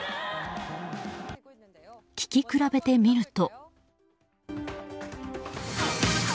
聴き比べてみると。